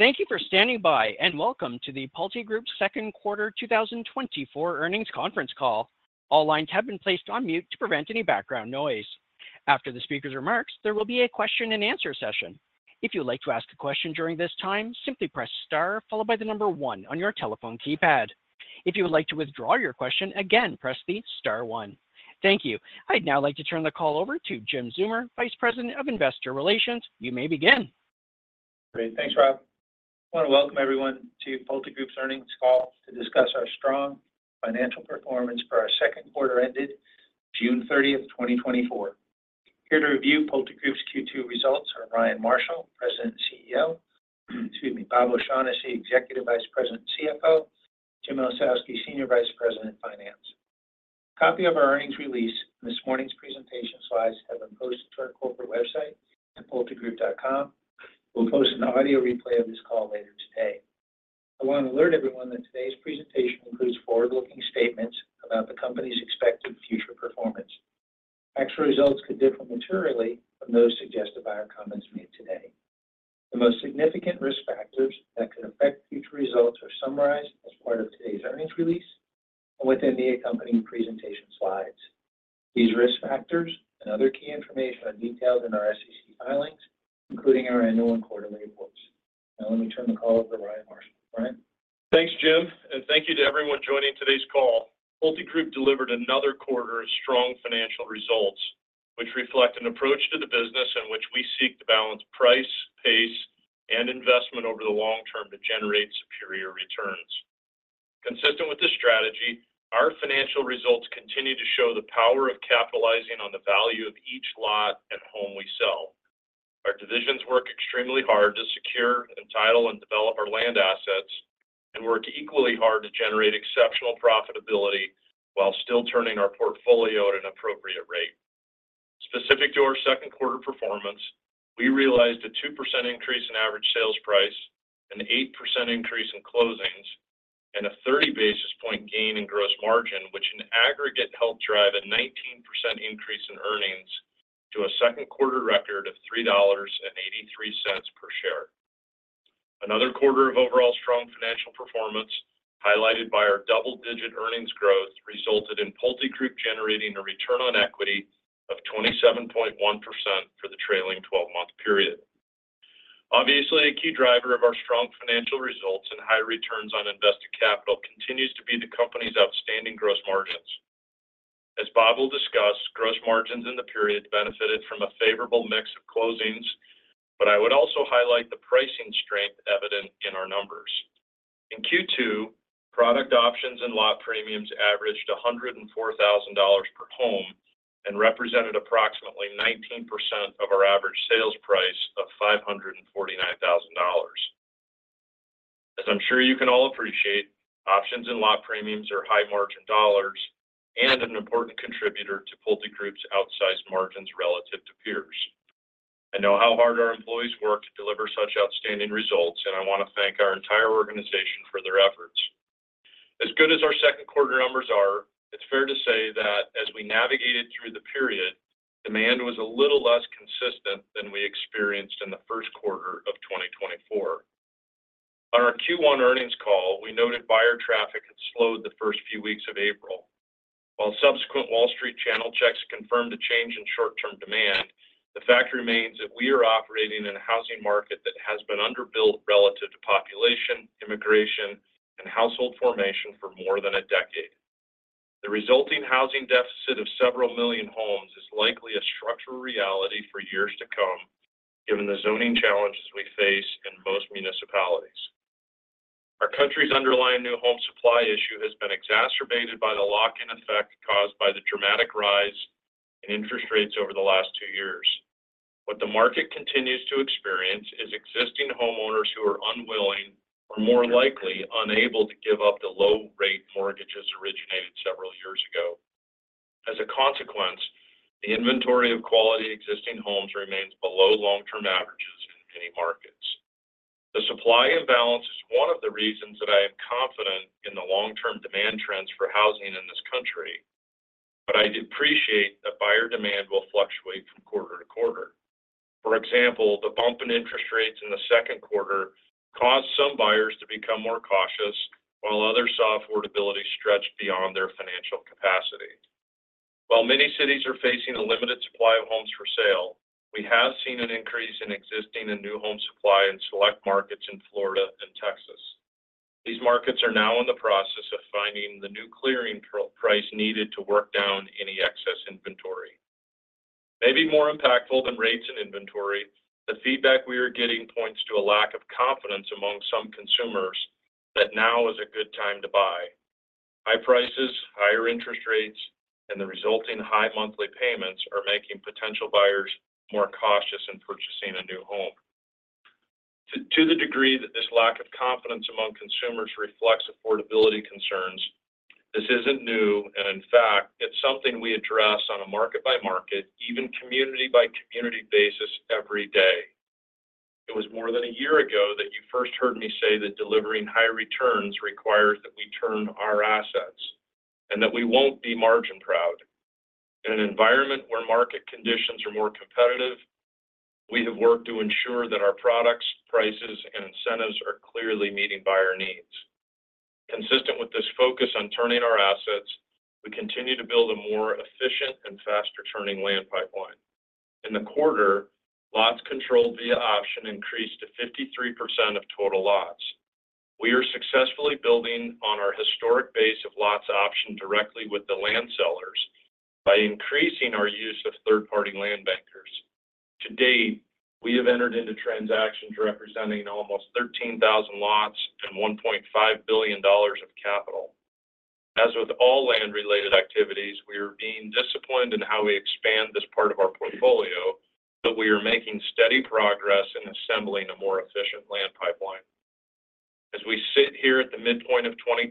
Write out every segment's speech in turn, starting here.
Thank you for standing by, and welcome to the PulteGroup's Q2 2024 earnings conference call. All lines have been placed on mute to prevent any background noise. After the speaker's remarks, there will be a question-and-answer session. If you'd like to ask a question during this time, simply press star followed by the number one on your telephone keypad. If you would like to withdraw your question, again, press the star one. Thank you. I'd now like to turn the call over to Jim Zeumer, Vice President of Investor Relations. You may begin. Great. Thanks, Rob. I want to welcome everyone to the PulteGroup's earnings call to discuss our strong financial performance for our Q2 ended June 30, 2024. Here to review PulteGroup's Q2 results are Ryan Marshall, President and CEO, excuse me, Bob O'Shaughnessy, Executive Vice President and CFO, Jim Ossowski, Senior Vice President of Finance. A copy of our earnings release and this morning's presentation slides have been posted to our corporate website at pultegroup.com. We'll post an audio replay of this call later today. I want to alert everyone that today's presentation includes forward-looking statements about the company's expected future performance. Actual results could differ materially from those suggested by our comments made today. The most significant risk factors that could affect future results are summarized as part of today's earnings release and within the accompanying presentation slides. These risk factors and other key information are detailed in our SEC filings, including our annual and quarterly reports. Now, let me turn the call over to Ryan Marshall. Ryan? Thanks, Jim. Thank you to everyone joining today's call. PulteGroup delivered another quarter of strong financial results, which reflect an approach to the business in which we seek to balance price, pace, and investment over the long term to generate superior returns. Consistent with this strategy, our financial results continue to show the power of capitalizing on the value of each lot and home we sell. Our divisions work extremely hard to secure, entitle, and develop our land assets and work equally hard to generate exceptional profitability while still turning our portfolio at an appropriate rate. Specific to our Q2 performance, we realized a 2% increase in average sales price, an 8% increase in closings, and a 30 basis point gain in gross margin, which in aggregate helped drive a 19% increase in earnings to a Q2 record of $3.83 per share. Another quarter of overall strong financial performance, highlighted by our double-digit earnings growth, resulted in PulteGroup generating a return on equity of 27.1% for the trailing 12-month period. Obviously, a key driver of our strong financial results and high returns on invested capital continues to be the company's outstanding gross margins. As Bob will discuss, gross margins in the period benefited from a favorable mix of closings, but I would also highlight the pricing strength evident in our numbers. In Q2, product options and lot premiums averaged $104,000 per home and represented approximately 19% of our average sales price of $549,000. As I'm sure you can all appreciate, options and lot premiums are high-margin dollars and an important contributor to PulteGroup's outsized margins relative to peers. I know how hard our employees work to deliver such outstanding results, and I want to thank our entire organization for their efforts. As good as our Q2 numbers are, it's fair to say that as we navigated through the period, demand was a little less consistent than we experienced in the Q1 of 2024. On our Q1 earnings call, we noted buyer traffic had slowed the first few weeks of April. While subsequent Wall Street channel checks confirmed a change in short-term demand, the fact remains that we are operating in a housing market that has been underbuilt relative to population, immigration, and household formation for more than a decade. The resulting housing deficit of several million homes is likely a structural reality for years to come, given the zoning challenges we face in most municipalities. Our country's underlying new home supply issue has been exacerbated by the lock-in effect caused by the dramatic rise in interest rates over the last two years. What the market continues to experience is existing homeowners who are unwilling or more likely unable to give up the low-rate mortgages originated several years ago. As a consequence, the inventory of quality existing homes remains below long-term averages in many markets. The supply imbalance is one of the reasons that I am confident in the long-term demand trends for housing in this country, but I do appreciate that buyer demand will fluctuate from quarter to quarter. For example, the bump in interest rates in the Q2 caused some buyers to become more cautious, while others saw affordability stretch beyond their financial capacity. While many cities are facing a limited supply of homes for sale, we have seen an increase in existing and new home supply in select markets in Florida and Texas. These markets are now in the process of finding the new clearing price needed to work down any excess inventory. Maybe more impactful than rates and inventory, the feedback we are getting points to a lack of confidence among some consumers that now is a good time to buy. High prices, higher interest rates, and the resulting high monthly payments are making potential buyers more cautious in purchasing a new home. To the degree that this lack of confidence among consumers reflects affordability concerns, this isn't new, and in fact, it's something we address on a market-by-market, even community-by-community basis every day. It was more than a year ago that you first heard me say that delivering high returns requires that we turn our assets and that we won't be margin proud. In an environment where market conditions are more competitive, we have worked to ensure that our products, prices, and incentives are clearly meeting buyer needs. Consistent with this focus on turning our assets, we continue to build a more efficient and faster-turning land pipeline. In the quarter, lots controlled via option increased to 53% of total lots. We are successfully building on our historic base of lots option directly with the land sellers by increasing our use of third-party land bankers. To date, we have entered into transactions representing almost 13,000 lots and $1.5 billion of capital. As with all land-related activities, we are being disciplined in how we expand this part of our portfolio, but we are making steady progress in assembling a more efficient land pipeline. As we sit here at the midpoint of 2024,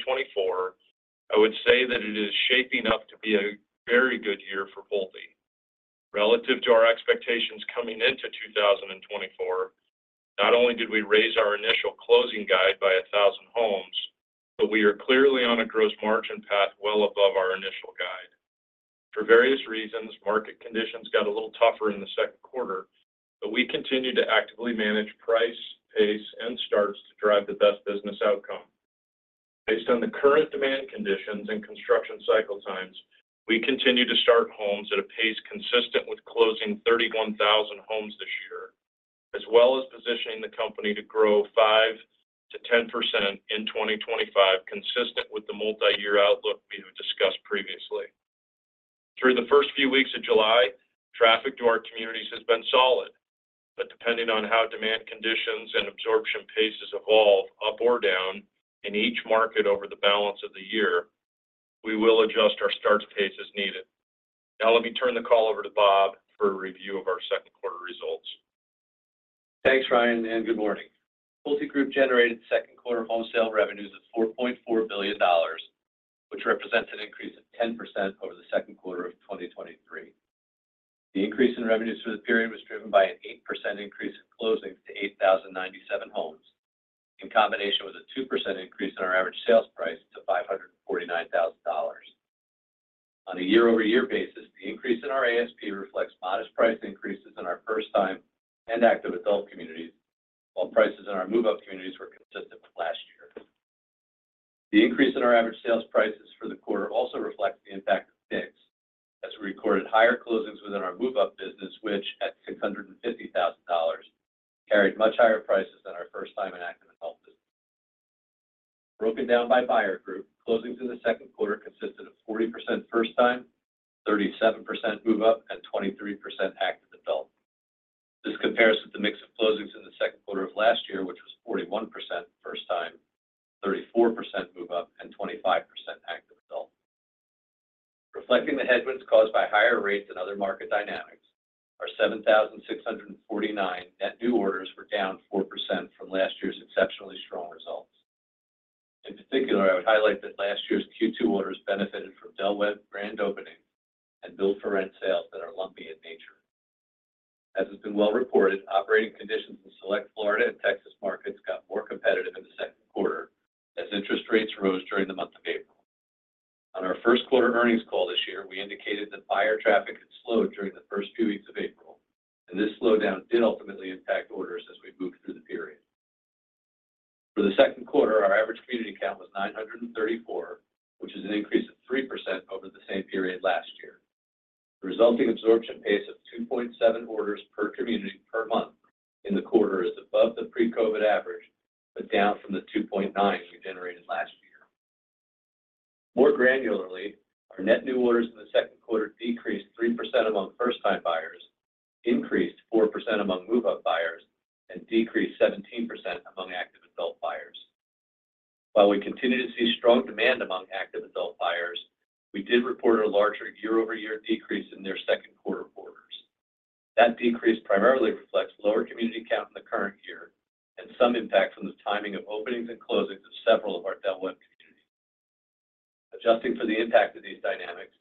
I would say that it is shaping up to be a very good year for PulteGroup. Relative to our expectations coming into 2024, not only did we raise our initial closing guide by 1,000 homes, but we are clearly on a gross margin path well above our initial guide. For various reasons, market conditions got a little tougher in the Q2, but we continue to actively manage price, pace, and starts to drive the best business outcome. Based on the current demand conditions and construction cycle times, we continue to start homes at a pace consistent with closing 31,000 homes this year, as well as positioning the company to grow 5%-10% in 2025, consistent with the multi-year outlook we have discussed previously. Through the first few weeks of July, traffic to our communities has been solid, but depending on how demand conditions and absorption pace evolve up or down in each market over the balance of the year, we will adjust our starts pace as needed. Now, let me turn the call over to Bob for a review of our Q2 results. Thanks, Ryan, and good morning. PulteGroup generated Q2 home sale revenues of $4.4 billion, which represents an increase of 10% over the Q2 of 2023. The increase in revenues for the period was driven by an 8% increase in closings to 8,097 homes, in combination with a 2% increase in our average sales price to $549,000. On a year-over-year basis, the increase in our ASP reflects modest price increases in our first-time and active adult communities, while prices in our move-up communities were consistent with last year. The increase in our average sales prices for the quarter also reflects the impact of mix, as we recorded higher closings within our move-up business, which at $650,000 carried much higher prices than our first-time and active adult business. Broken down by buyer group, closings in the Q2 consisted of 40% first-time, 37% move-up, and 23% active adult. This compares with the mix of closings in the Q2 of last year, which was 41% first-time, 34% move-up, and 25% active adult. Reflecting the headwinds caused by higher rates and other market dynamics, our 7,649 net new orders were down 4% from last year's exceptionally strong results. In particular, I would highlight that last year's Q2 orders benefited from Del Webb grand openings and build-to-rent sales that are lumpy in nature. As has been well reported, operating conditions in select Florida and Texas markets got more competitive in the Q2 as interest rates rose during the month of April. On our Q1 earnings call this year, we indicated that buyer traffic had slowed during the first few weeks of April, and this slowdown did ultimately impact orders as we moved through the period. For the Q2, our average community count was 934, which is an increase of 3% over the same period last year. The resulting absorption pace of 2.7 orders per community per month in the quarter is above the pre-COVID average, but down from the 2.9 we generated last year. More granularly, our net new orders in the Q2 decreased 3% among first-time buyers, increased 4% among move-up buyers, and decreased 17% among active adult buyers. While we continue to see strong demand among active adult buyers, we did report a larger year-over-year decrease in their Q2 orders. That decrease primarily reflects lower community count in the current year and some impact from the timing of openings and closings of several of our Del Webb communities. Adjusting for the impact of these dynamics,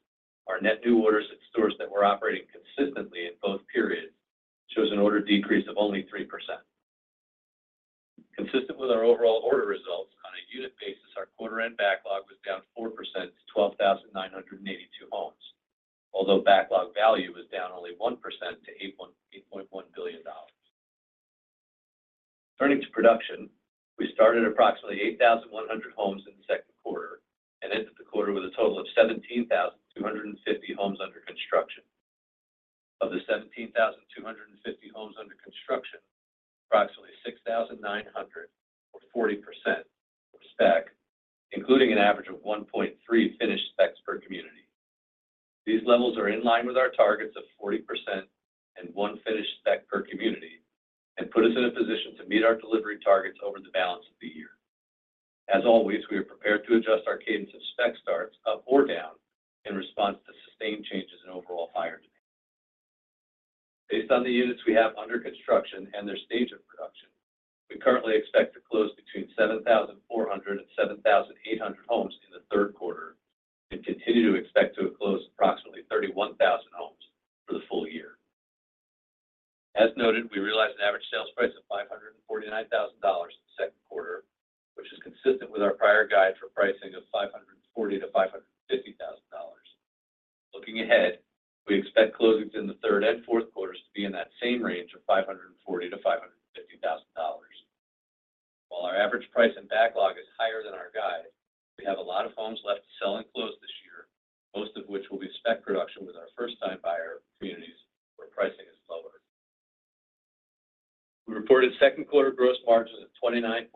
our net new orders at stores that were operating consistently in both periods shows an order decrease of only 3%. Consistent with our overall order results, on a unit basis, our quarter-end backlog was down 4% to 12,982 homes, although backlog value was down only 1% to $8.1 billion. Turning to production, we started approximately 8,100 homes in the Q2 and ended the quarter with a total of 17,250 homes under construction. Of the 17,250 homes under construction, approximately 6,900, or 40%, were spec, including an average of 1.3 finished specs per community. These levels are in line with our targets of 40% and one finished spec per community and put us in a position to meet our delivery targets over the balance of the year. As always, we are prepared to adjust our cadence of spec starts up or down in response to sustained changes in overall buyer demand. Based on the units we have under construction and their stage of production, we currently expect to close between 7,400 and 7,800 homes in the Q3 and continue to expect to close approximately 31,000 homes for the full year. As noted, we realized an average sales price of $549,000 in the Q2, which is consistent with our prior guide for pricing of $540,000-$550,000. Looking ahead, we expect closings in the Q3 and Q4 to be in that same range of $540,000-$550,000. While our average price and backlog is higher than our guide, we have a lot of homes left to sell and close this year, most of which will be spec production with our first-time buyer communities where pricing is lower. We reported Q2 gross margins of 29.9%,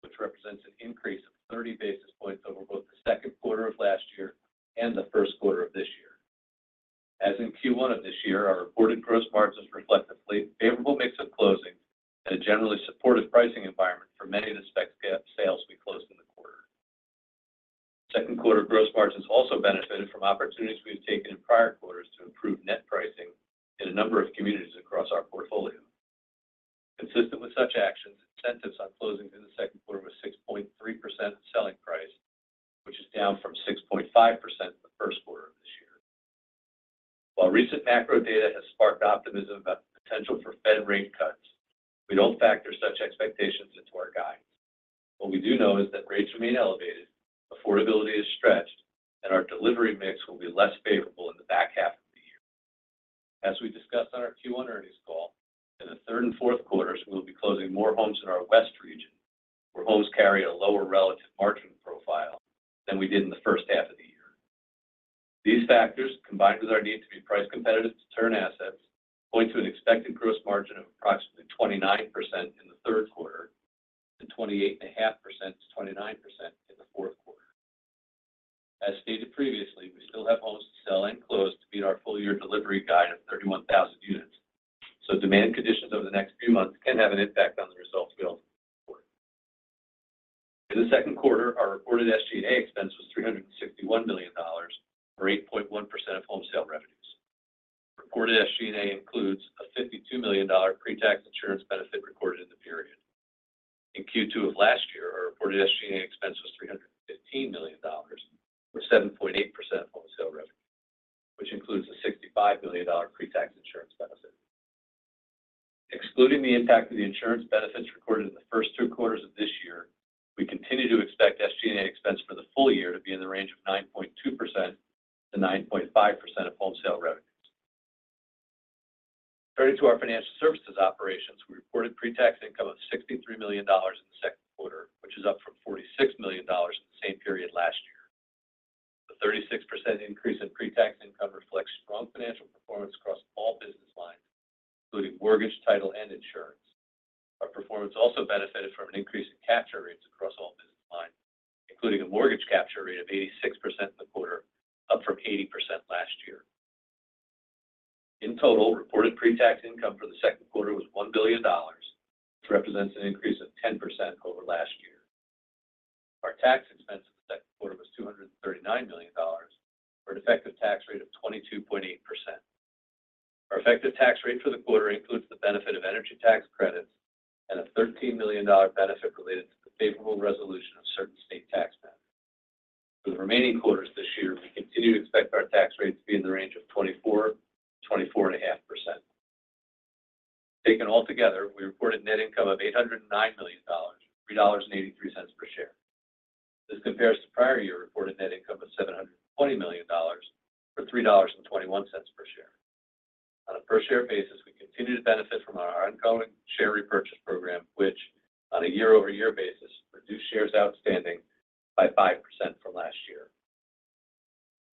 which represents an increase of 30 basis points over both the Q2 of last year and the Q1 of this year. As in Q1 of this year, our reported gross margins reflect a favorable mix of closings and a generally supportive pricing environment for many of the spec sales we closed in the quarter. Q2 gross margins also benefited from opportunities we've taken in prior quarters to improve net pricing in a number of communities across our portfolio. Consistent with such actions, incentives on closings in the Q2 were 6.3% of selling price, which is down from 6.5% in the Q1 of this year. While recent macro data has sparked optimism about the potential for Fed rate cuts, we don't factor such expectations into our guides. What we do know is that rates remain elevated, affordability is stretched, and our delivery mix will be less favorable in the back half of the year. As we discussed on our Q1 earnings call, in the Q3 and Q4, we will be closing more homes in our West region, where homes carry a lower relative margin profile than we did in the first half of the year. These factors, combined with our need to be price competitive to turn assets, point to an expected gross margin of approximately 29% in the Q3 and 28.5%-29% in the Q4. As stated previously, we still have homes to sell and close to meet our full-year delivery guide of 31,000 units, so demand conditions over the next few months can have an impact on the results we ultimately report. In the Q2, our reported SG&A expense was $361 million, or 8.1% of home sale revenues. Reported SG&A includes a $52 million pre-tax insurance benefit recorded in the period. In Q2 of last year, our reported SG&A expense was $315 million, or 7.8% of home sale revenue, which includes a $65 million pre-tax insurance benefit. Excluding the impact of the insurance benefits recorded in the first two quarters of this year, we continue to expect SG&A expense for the full year to be in the range of 9.2%-9.5% of home sale revenues. Turning to our financial services operations, we reported pre-tax income of $63 million in the Q2, which is up from $46 million in the same period last year. The 36% increase in pre-tax income reflects strong financial performance across all business lines, including mortgage, title, and insurance. Our performance also benefited from an increase in capture rates across all business lines, including a mortgage capture rate of 86% in the quarter, up from 80% last year. In total, reported pre-tax income for the Q2 was $1 billion, which represents an increase of 10% over last year. Our tax expense in the Q2 was $239 million, or an effective tax rate of 22.8%. Our effective tax rate for the quarter includes the benefit of energy tax credits and a $13 million benefit related to the favorable resolution of certain state taxpayers. For the remaining quarters this year, we continue to expect our tax rate to be in the range of 24%-24.5%. Taken altogether, we reported net income of $809 million, or $3.83 per share. This compares to prior year reported net income of $720 million, or $3.21 per share. On a per-share basis, we continue to benefit from our ongoing share repurchase program, which, on a year-over-year basis, reduced shares outstanding by 5% from last year.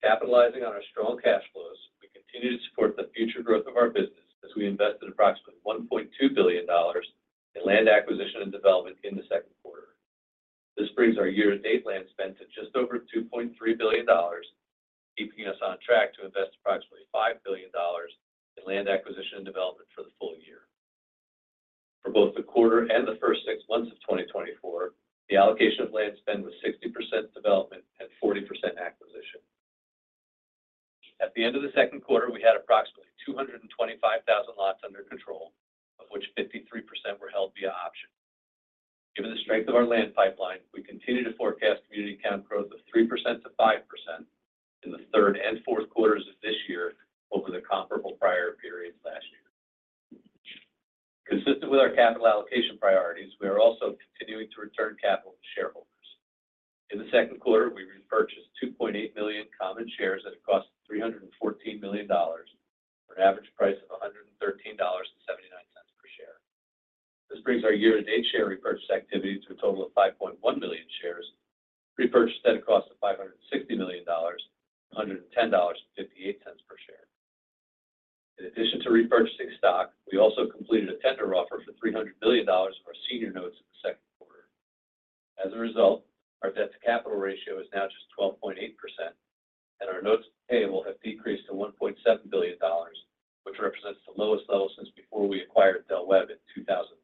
Capitalizing on our strong cash flows, we continue to support the future growth of our business as we invested approximately $1.2 billion in land acquisition and development in the Q2. This brings our year-to-date land spend to just over $2.3 billion, keeping us on track to invest approximately $5 billion in land acquisition and development for the full year. For both the quarter and the first six months of 2024, the allocation of land spend was 60% development and 40% acquisition. At the end of the Q2, we had approximately 225,000 lots under control, of which 53% were held via options. Given the strength of our land pipeline, we continue to forecast community account growth of 3%-5% in the Q3 and Q4 of this year over the comparable prior periods last year. Consistent with our capital allocation priorities, we are also continuing to return capital to shareholders. In the Q2, we repurchased 2.8 million common shares at a cost of $314 million, for an average price of $113.79 per share. This brings our year-to-date share repurchase activity to a total of 5.1 million shares, repurchased at a cost of $560 million, or $110.58 per share. In addition to repurchasing stock, we also completed a tender offer for $300 million of our senior notes in the Q2. As a result, our debt-to-capital ratio is now just 12.8%, and our notes payable will have decreased to $1.7 billion, which represents the lowest level since before we acquired Del Webb in 2001.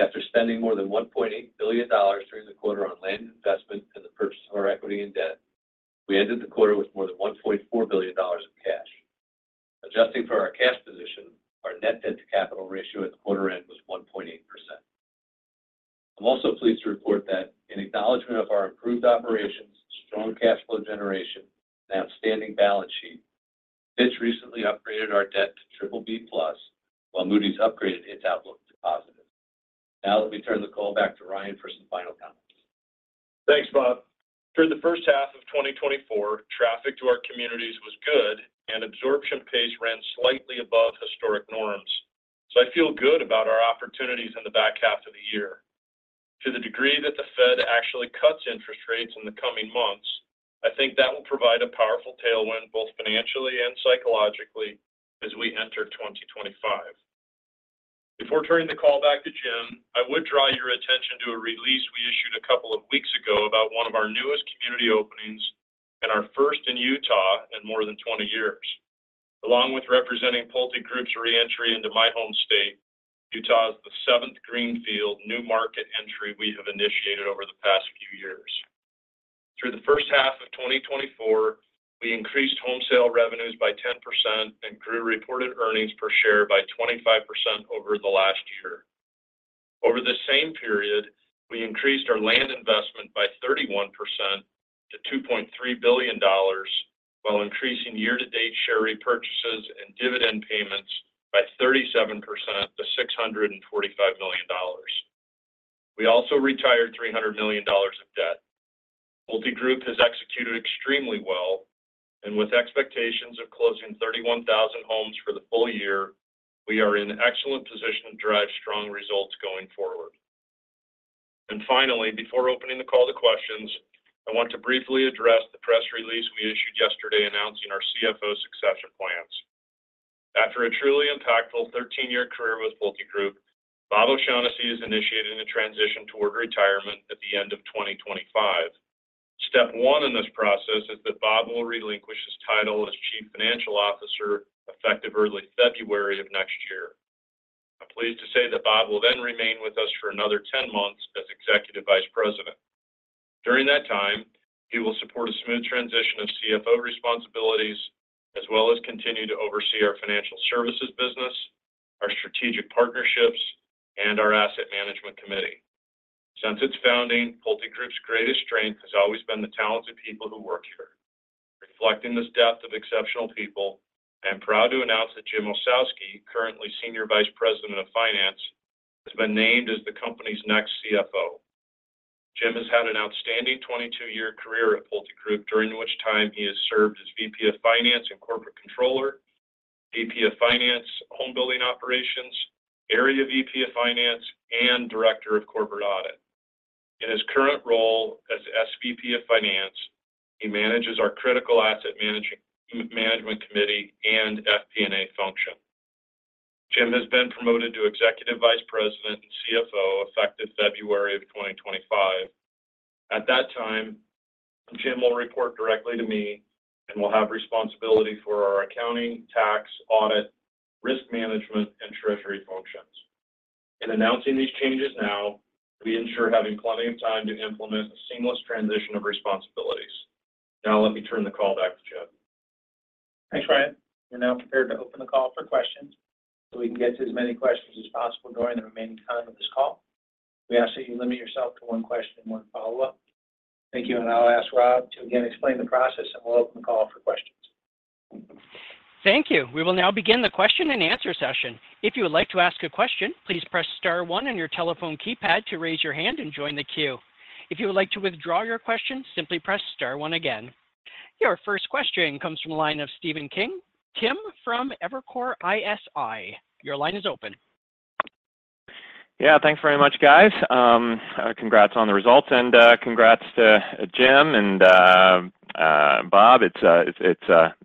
After spending more than $1.8 billion during the quarter on land investment and the purchase of our equity and debt, we ended the quarter with more than $1.4 billion in cash. Adjusting for our cash position, our net debt-to-capital ratio at the quarter-end was 1.8%. I'm also pleased to report that, in acknowledgment of our improved operations, strong cash flow generation, and outstanding balance sheet, Fitch recently upgraded our debt to BBB Plus, while Moody's upgraded its outlook to positive. Now, let me turn the call back to Ryan for some final comments. Thanks, Bob. During the first half of 2024, traffic to our communities was good, and absorption pace ran slightly above historic norms, so I feel good about our opportunities in the back half of the year. To the degree that the Fed actually cuts interest rates in the coming months, I think that will provide a powerful tailwind both financially and psychologically as we enter 2025. Before turning the call back to Jim, I would draw your attention to a release we issued a couple of weeks ago about one of our newest community openings and our first in Utah in more than 20 years. Along with representing PulteGroup's re-entry into my home state, Utah is the seventh greenfield new market entry we have initiated over the past few years. Through the first half of 2024, we increased home sale revenues by 10% and grew reported earnings per share by 25% over the last year. Over the same period, we increased our land investment by 31% to $2.3 billion, while increasing year-to-date share repurchases and dividend payments by 37% to $645 million. We also retired $300 million of debt. PulteGroup has executed extremely well, and with expectations of closing 31,000 homes for the full year, we are in an excellent position to drive strong results going forward. Finally, before opening the call to questions, I want to briefly address the press release we issued yesterday announcing our CFO succession plans. After a truly impactful 13-year career with PulteGroup, Bob O'Shaughnessy is initiating a transition toward retirement at the end of 2025. Step one in this process is that Bob will relinquish his title as Chief Financial Officer effective early February of next year. I'm pleased to say that Bob will then remain with us for another 10 months as Executive Vice President. During that time, he will support a smooth transition of CFO responsibilities, as well as continue to oversee our financial services business, our strategic partnerships, and our Asset Management Committee. Since its founding, PulteGroup's greatest strength has always been the talented people who work here. Reflecting this depth of exceptional people, I am proud to announce that Jim Ossowski, currently Senior Vice President of Finance, has been named as the company's next CFO. Jim has had an outstanding 22-year career at PulteGroup, during which time he has served as VP of Finance and Corporate Controller, VP of Finance, Homebuilding Operations, Area VP of Finance, and Director of Corporate Audit. In his current role as SVP of Finance, he manages our Critical Asset Management Committee and FP&A function. Jim has been promoted to Executive Vice President and CFO effective February of 2025. At that time, Jim will report directly to me and will have responsibility for our accounting, tax, audit, risk management, and treasury functions. In announcing these changes now, we ensure having plenty of time to implement a seamless transition of responsibilities. Now, let me turn the call back to Jim. Thanks, Ryan. We're now prepared to open the call for questions, so we can get to as many questions as possible during the remaining time of this call. We ask that you limit yourself to one question and one follow-up. Thank you, and I'll ask Rob to again explain the process, and we'll open the call for questions. Thank you. We will now begin the question-and-answer session. If you would like to ask a question, please press star one on your telephone keypad to raise your hand and join the queue. If you would like to withdraw your question, simply press star one again. Your first question comes from the line of Stephen Kim from Evercore ISI. Your line is open. Yeah, thanks very much, guys. Congrats on the results, and congrats to Jim and Bob.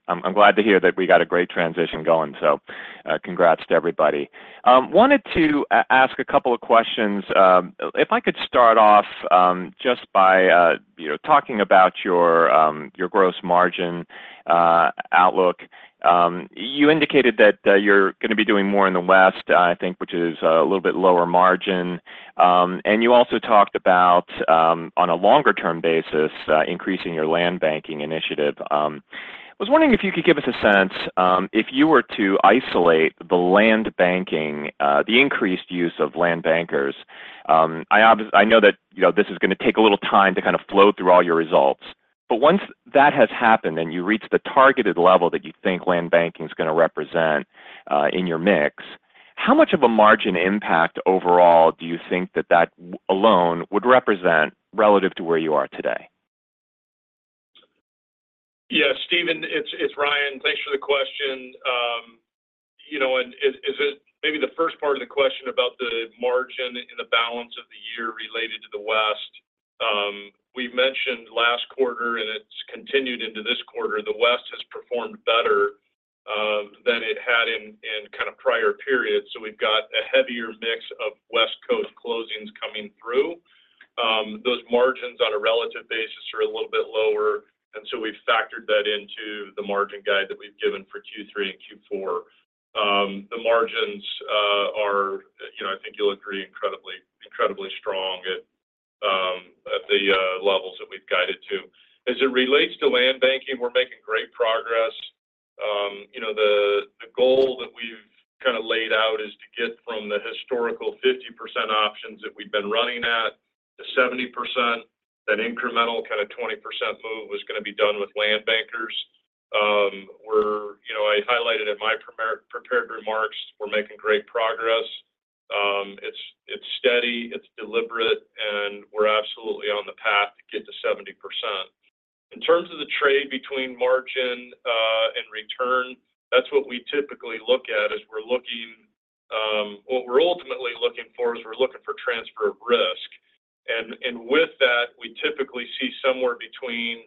I'm glad to hear that we got a great transition going, so congrats to everybody. Wanted to ask a couple of questions. If I could start off just by talking about your gross margin outlook, you indicated that you're going to be doing more in the west, I think, which is a little bit lower margin. And you also talked about, on a longer-term basis, increasing your land banking initiative. I was wondering if you could give us a sense if you were to isolate the increased use of land bankers. I know that this is going to take a little time to kind of flow through all your results, but once that has happened and you reach the targeted level that you think land banking is going to represent in your mix, how much of a margin impact overall do you think that that alone would represent relative to where you are today? Yeah, Stephen, it's Ryan. Thanks for the question. And is it maybe the first part of the question about the margin in the balance of the year related to the West? We mentioned last quarter, and it's continued into this quarter, the West has performed better than it had in kind of prior periods. So we've got a heavier mix of West Coast closings coming through. Those margins on a relative basis are a little bit lower, and so we've factored that into the margin guide that we've given for Q3 and Q4. The margins are, I think you'll agree, incredibly strong at the levels that we've guided to. As it relates to land banking, we're making great progress. The goal that we've kind of laid out is to get from the historical 50% options that we've been running at to 70%. That incremental kind of 20% move was going to be done with land bankers. I highlighted in my prepared remarks. We're making great progress. It's steady, it's deliberate, and we're absolutely on the path to get to 70%. In terms of the trade between margin and return, that's what we typically look at. Is we're looking what we're ultimately looking for is we're looking for transfer of risk. And with that, we typically see somewhere between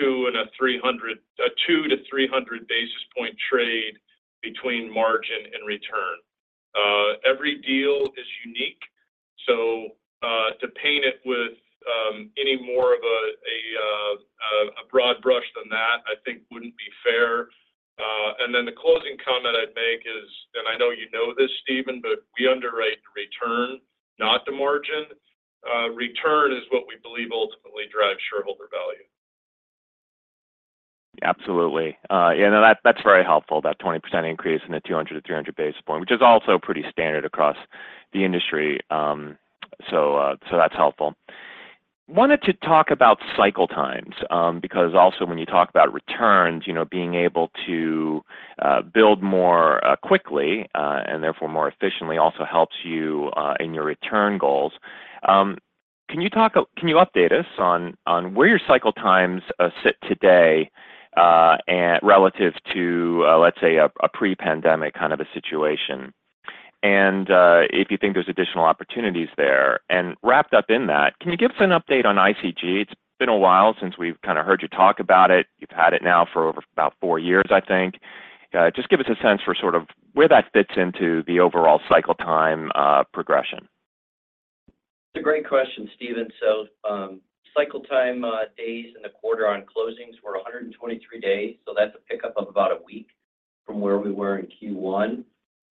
200 and 300, a 200-300 basis point trade between margin and return. Every deal is unique, so to paint it with any more of a broad brush than that, I think, wouldn't be fair. And then the closing comment I'd make is, and I know you know this, Stephen, but we underwrite the return, not the margin. Return is what we believe ultimately drives shareholder value. Absolutely. Yeah, no, that's very helpful, that 20% increase in the 200-300 basis point, which is also pretty standard across the industry, so that's helpful. Wanted to talk about cycle times because also when you talk about returns, being able to build more quickly and therefore more efficiently also helps you in your return goals. Can you update us on where your cycle times sit today relative to, let's say, a pre-pandemic kind of a situation and if you think there's additional opportunities there? And wrapped up in that, can you give us an update on ICG? It's been a while since we've kind of heard you talk about it. You've had it now for over about 4 years, I think. Just give us a sense for sort of where that fits into the overall cycle time progression. That's a great question, Stephen. So cycle time days in the quarter on closings were 123 days, so that's a pickup of about a week from where we were in Q1.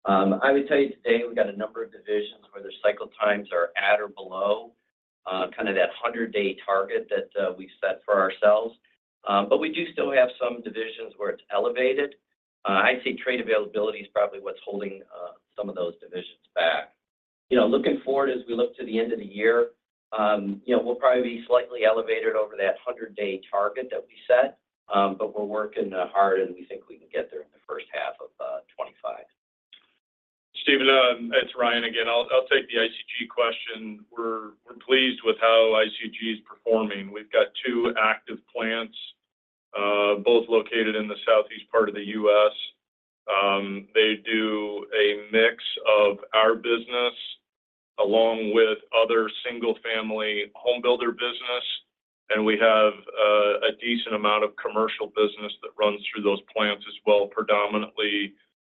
I would tell you today we got a number of divisions where their cycle times are at or below kind of that 100-day target that we've set for ourselves. But we do still have some divisions where it's elevated. I'd say trade availability is probably what's holding some of those divisions back. Looking forward, as we look to the end of the year, we'll probably be slightly elevated over that 100-day target that we set, but we're working hard, and we think we can get there in the first half of 2025. Stephen, it's Ryan again. I'll take the ICG question. We're pleased with how ICG is performing. We've got 2 active plants, both located in the southeast part of the U.S. They do a mix of our business along with other single-family homebuilder business, and we have a decent amount of commercial business that runs through those plants as well, predominantly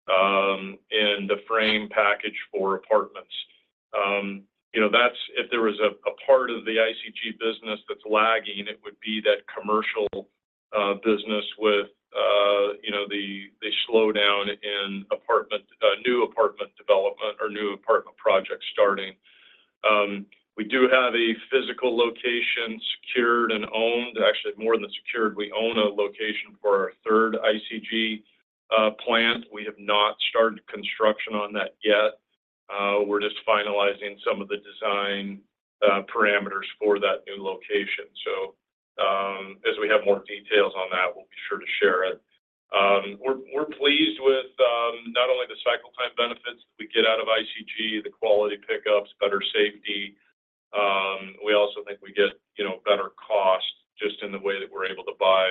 in the frame package for apartments. If there was a part of the ICG business that's lagging, it would be that commercial business with the slowdown in new apartment development or new apartment projects starting. We do have a physical location secured and owned. Actually, more than secured, we own a location for our third ICG plant. We have not started construction on that yet. We're just finalizing some of the design parameters for that new location. So as we have more details on that, we'll be sure to share it. We're pleased with not only the cycle time benefits that we get out of ICG, the quality pickups, better safety. We also think we get better cost just in the way that we're able to buy,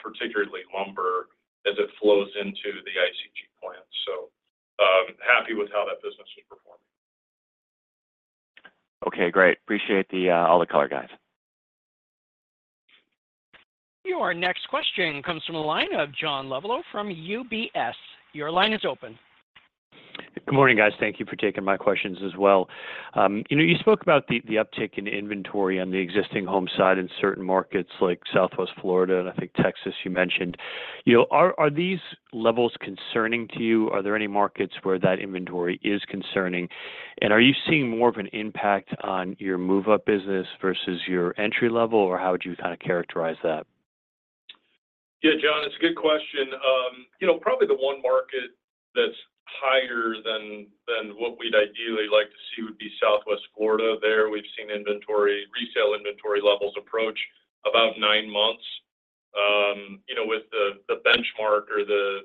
particularly lumber, as it flows into the ICG plant. So happy with how that business is performing. Okay, great. Appreciate all the color, guys. Our next question comes from the line of John Lovallo from UBS. Your line is open. Good morning, guys. Thank you for taking my questions as well. You spoke about the uptick in inventory on the existing home side in certain markets like Southwest Florida and I think Texas you mentioned. Are these levels concerning to you? Are there any markets where that inventory is concerning? And are you seeing more of an impact on your move-up business versus your entry level, or how would you kind of characterize that? Yeah, John, it's a good question. Probably the one market that's higher than what we'd ideally like to see would be Southwest Florida. There we've seen retail inventory levels approach about nine months with the benchmark or the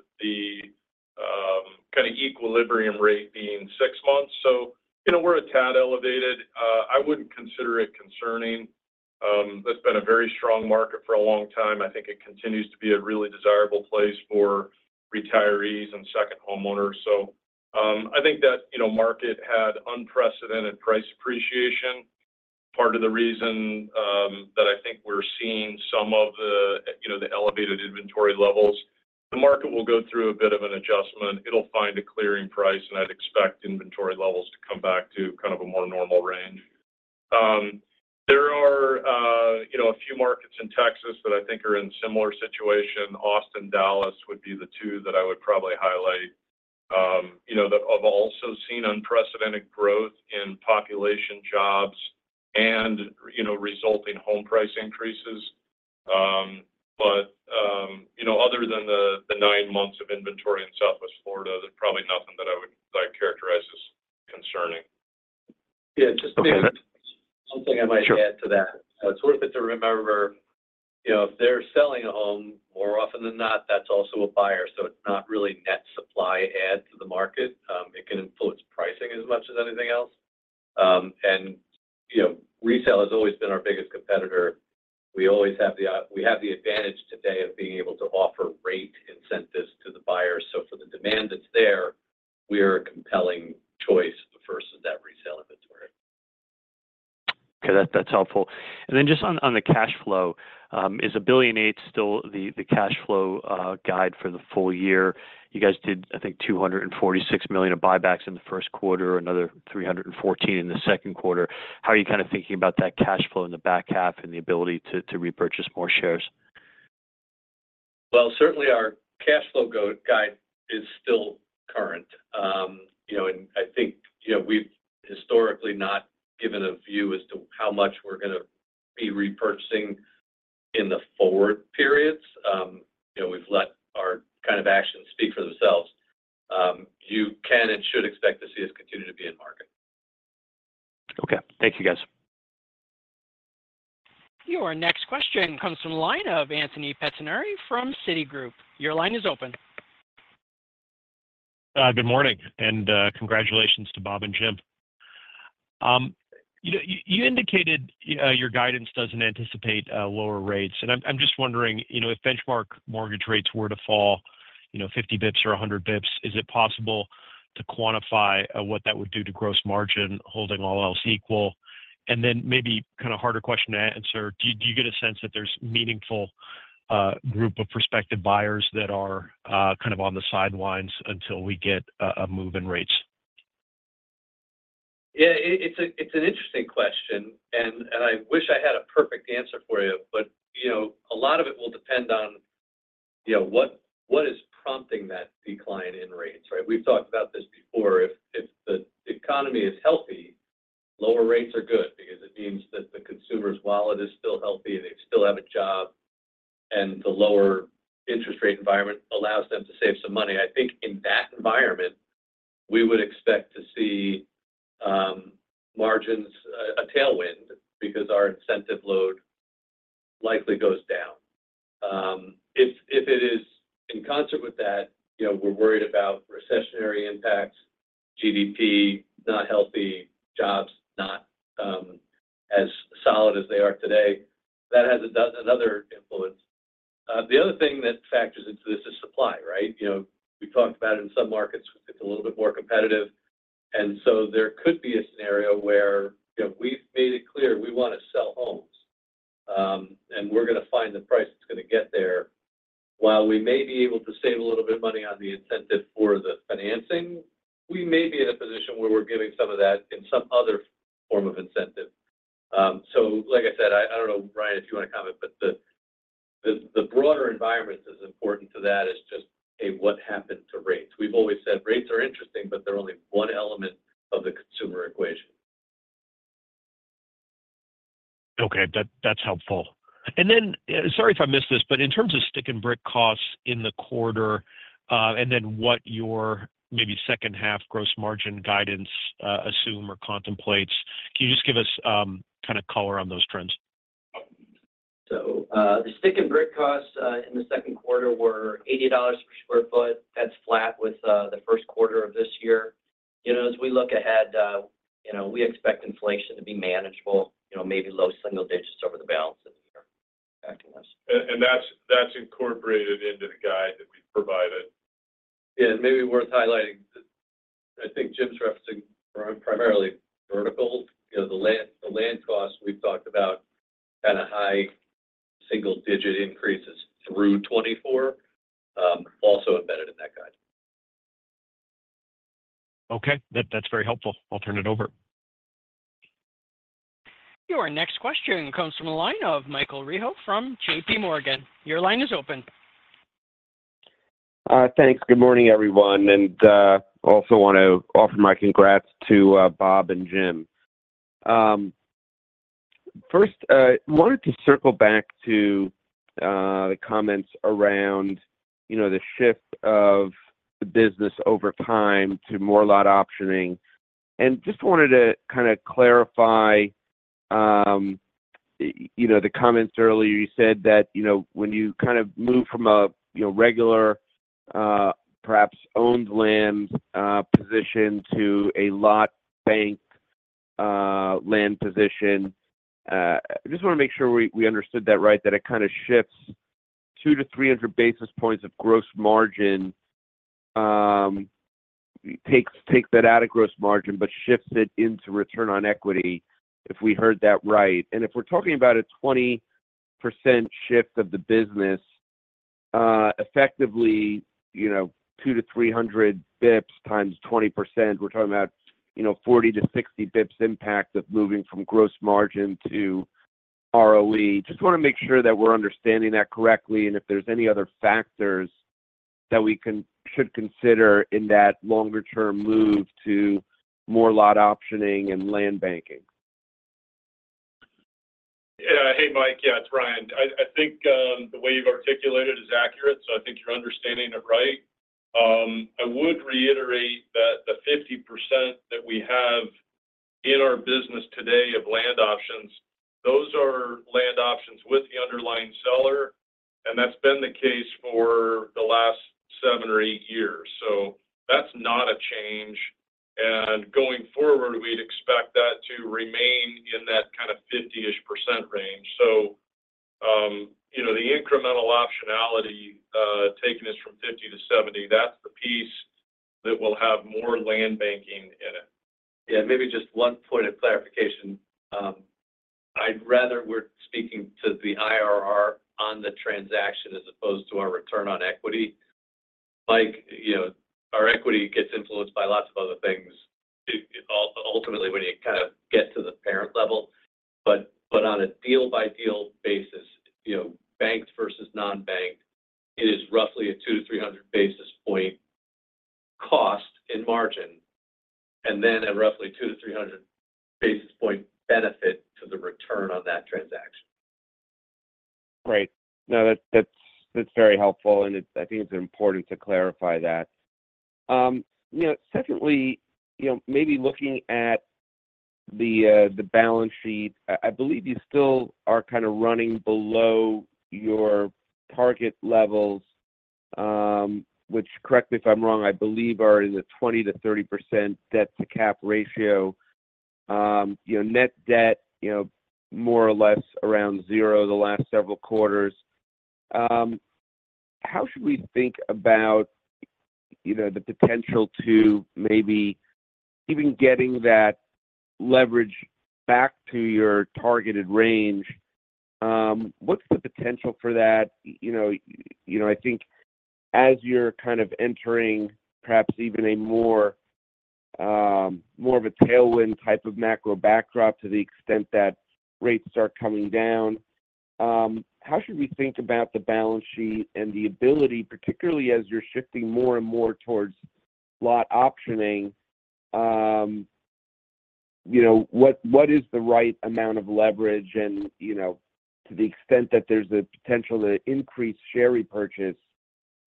kind of equilibrium rate being six months. So we're a tad elevated. I wouldn't consider it concerning. That's been a very strong market for a long time. I think it continues to be a really desirable place for retirees and second homeowners. So I think that market had unprecedented price appreciation. Part of the reason that I think we're seeing some of the elevated inventory levels. The market will go through a bit of an adjustment. It'll find a clearing price, and I'd expect inventory levels to come back to kind of a more normal range. There are a few markets in Texas that I think are in a similar situation. Austin, Dallas would be the two that I would probably highlight. I've also seen unprecedented growth in population, jobs, and resulting home price increases. But other than the nine months of inventory in Southwest Florida, there's probably nothing that I would characterize as concerning. Yeah, just one thing I might add to that. It's worth it to remember if they're selling a home, more often than not, that's also a buyer. So it's not really net supply add to the market. It can influence pricing as much as anything else. And resale has always been our biggest competitor. We have the advantage today of being able to offer rate incentives to the buyers. So for the demand that's there, we are a compelling choice versus that resale inventory. Okay, that's helpful. And then just on the cash flow, is $1.8 billion still the cash flow guide for the full year? You guys did, I think, $246 million of buybacks in the Q1, another $314 million in the Q2. How are you kind of thinking about that cash flow in the back half and the ability to repurchase more shares? Well, certainly our cash flow guide is still current. I think we've historically not given a view as to how much we're going to be repurchasing in the forward periods. We've let our kind of actions speak for themselves. You can and should expect to see us continue to be in market. Okay, thank you, guys. Your next question comes from the line of Anthony Pettinari from Citigroup. Your line is open. Good morning, and congratulations to Bob and Jim. You indicated your guidance doesn't anticipate lower rates. And I'm just wondering, if benchmark mortgage rates were to fall 50 basis points or 100 basis points, is it possible to quantify what that would do to gross margin, holding all else equal? And then maybe kind of harder question to answer, do you get a sense that there's a meaningful group of prospective buyers that are kind of on the sidelines until we get a move in rates? Yeah, it's an interesting question, and I wish I had a perfect answer for you, but a lot of it will depend on what is prompting that decline in rates, right? We've talked about this before. If the economy is healthy, lower rates are good because it means that the consumer's wallet is still healthy, they still have a job, and the lower interest rate environment allows them to save some money. I think in that environment, we would expect to see margins a tailwind because our incentive load likely goes down. If it is in concert with that, we're worried about recessionary impacts, GDP, not healthy, jobs not as solid as they are today. That has another influence. The other thing that factors into this is supply, right? We talked about it in some markets. It's a little bit more competitive. And so there could be a scenario where we've made it clear we want to sell homes, and we're going to find the price that's going to get there. While we may be able to save a little bit of money on the incentive for the financing, we may be in a position where we're giving some of that in some other form of incentive. So like I said, I don't know, Ryan, if you want to comment, but the broader environment is important to that is just, hey, what happened to rates? We've always said rates are interesting, but they're only one element of the consumer equation. Okay, that's helpful. And then sorry if I missed this, but in terms of stick-and-brick costs in the quarter and then what your maybe second-half gross margin guidance assumes or contemplates, can you just give us kind of color on those trends? So the stick-and-brick costs in the Q2 were $80 per sq ft. That's flat with the Q1 of this year. As we look ahead, we expect inflation to be manageable, maybe low single digits over the balance of the year.. And that's incorporated into the guide that we've provided. Yeah, and maybe worth highlighting, I think Jim's referencing primarily verticals. The land costs we've talked about had a high single-digit increases through 2024, also embedded in that guide. Okay, that's very helpful. I'll turn it over. Your next question comes from the line of Michael Rehaut from JPMorgan. Your line is open. Thanks. Good morning, everyone. And also want to offer my congrats to Bob and Jim. First, I wanted to circle back to the comments around the shift of the business over time to more lot optioning and just wanted to kind of clarify the comments earlier. You said that when you kind of move from a regular, perhaps owned land position to a lot bank land position, I just want to make sure we understood that right, that it kind of shifts 200-300 basis points of gross margin, takes that out of gross margin, but shifts it into return on equity if we heard that right. If we're talking about a 20% shift of the business, effectively 200-300 basis points times 20%, we're talking about 40-60 basis points impact of moving from gross margin to ROE. Just want to make sure that we're understanding that correctly and if there's any other factors that we should consider in that longer-term move to more lot optioning and land banking. Hey, Mike. Yeah, it's Ryan. I think the way you've articulated is accurate, so I think you're understanding it right. I would reiterate that the 50% that we have in our business today of land options, those are land options with the underlying seller, and that's been the case for the last 7 or 8 years. So that's not a change. And going forward, we'd expect that to remain in that kind of 50-ish% range. So the incremental optionality taken is from 50% to 70%. That's the piece that will have more land banking in it. Yeah, maybe just one point of clarification. I'd rather we're speaking to the IRR on the transaction as opposed to our return on equity. Mike, our equity gets influenced by lots of other things ultimately when you kind of get to the parent level. But on a deal-by-deal basis, banked versus non-banked, it is roughly a 200-300 basis point cost in margin and then a roughly 200-300 basis point benefit to the return on that transaction. Right. No, that's very helpful, and I think it's important to clarify that. Secondly, maybe looking at the balance sheet, I believe you still are kind of running below your target levels, which, correct me if I'm wrong, I believe are in the 20%-30% debt-to-cap ratio. Net debt more or less around zero the last several quarters. How should we think about the potential to maybe even getting that leverage back to your targeted range? What's the potential for that? I think as you're kind of entering perhaps even a more of a tailwind type of macro backdrop to the extent that rates start coming down, how should we think about the balance sheet and the ability, particularly as you're shifting more and more towards lot optioning? What is the right amount of leverage and to the extent that there's a potential to increase share repurchase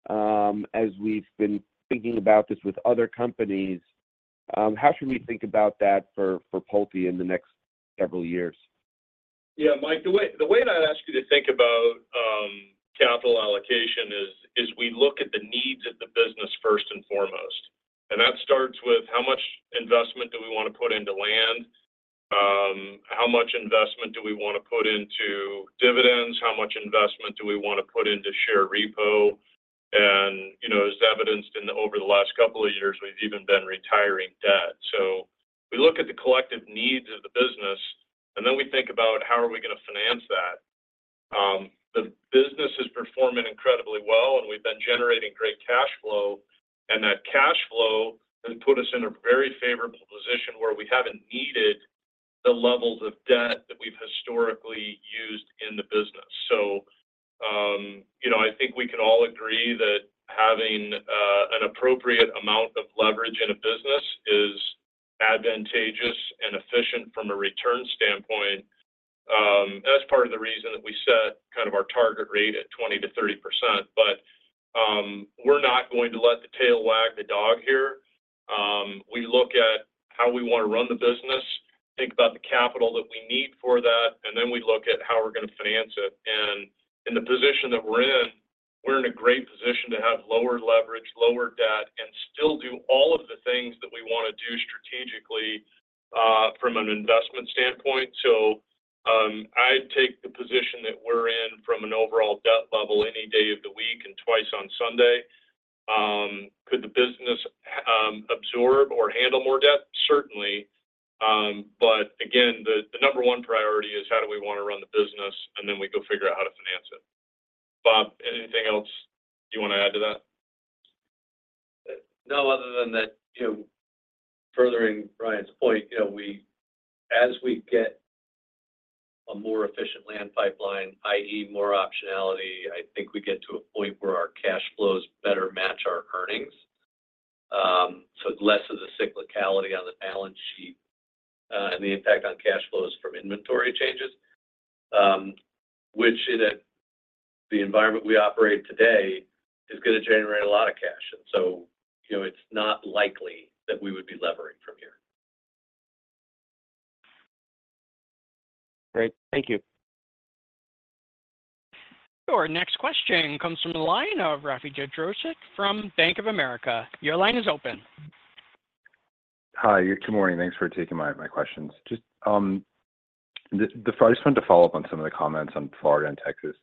as we've been thinking about this with other companies? How should we think about that for Pulte in the next several years? Yeah, Mike, the way that I'd ask you to think about capital allocation is we look at the needs of the business first and foremost. And that starts with how much investment do we want to put into land? How much investment do we want to put into dividends? How much investment do we want to put into share repo? And as evidenced over the last couple of years, we've even been retiring debt. So we look at the collective needs of the business, and then we think about how are we going to finance that? The business has performed incredibly well, and we've been generating great cash flow. And that cash flow has put us in a very favorable position where we haven't needed the levels of debt that we've historically used in the business. So I think we can all agree that having an appropriate amount of leverage in a business is advantageous and efficient from a return standpoint. That's part of the reason that we set kind of our target rate at 20%-30%. But we're not going to let the tail wag the dog here. We look at how we want to run the business, think about the capital that we need for that, and then we look at how we're going to finance it. And in the position that we're in, we're in a great position to have lower leverage, lower debt, and still do all of the things that we want to do strategically from an investment standpoint. So I take the position that we're in from an overall debt level any day of the week and twice on Sunday. Could the business absorb or handle more debt? Certainly. But again, the number one priority is how do we want to run the business, and then we go figure out how to finance it. Bob, anything else you want to add to that? No, other than that, furthering Ryan's point, as we get a more efficient land pipeline, i.e., more optionality, I think we get to a point where our cash flows better match our earnings. So less of the cyclicality on the balance sheet and the impact on cash flows from inventory changes, which in the environment we operate today is going to generate a lot of cash. And so it's not likely that we would be levering from here. Great. Thank you. Your next question comes from the line of Rafe Jadrosich from Bank of America. Your line is open. Hi, good morning. Thanks for taking my questions. Just the first one to follow up on some of the comments on Florida and Texas.